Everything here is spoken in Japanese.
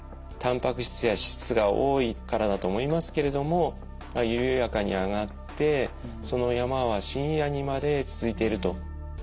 たんぱく質や脂質が多いからだと思いますけれども緩やかに上がってその山は深夜にまで続いていると。